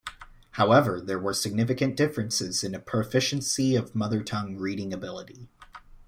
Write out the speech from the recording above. However, there were significant differences in the proficiency of mother tongue reading ability.